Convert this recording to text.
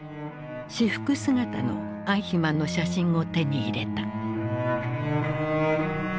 私服姿のアイヒマンの写真を手に入れた。